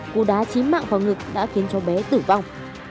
cú đá xím mạng vào ngực đã khiến cho bé tử vong